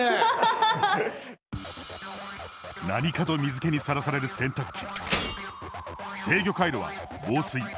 何かと水気にさらされる洗濯機。